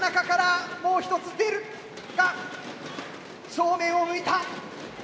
正面を向いた。